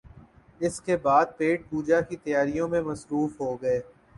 اس کے بعد پیٹ پوجا کی تیاریوں میں مصروف ہو گئے